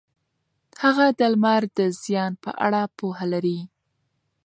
هغه د لمر د زیان په اړه پوهه لري.